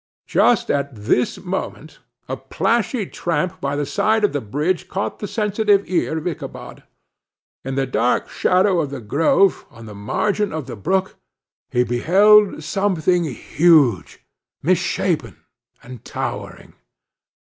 Just at this moment a plashy tramp by the side of the bridge caught the sensitive ear of Ichabod. In the dark shadow of the grove, on the margin of the brook, he beheld something huge, misshapen and towering.